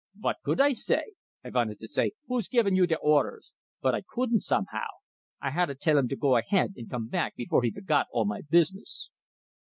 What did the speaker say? "Vot could I say? I vanted to say, 'Who's givin' you de orders?' But I couldn't, somehow! I hadda tell him to go ahead, and come back before he forgot all my business."